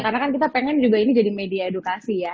karena kan kita pengen juga ini jadi media edukasi ya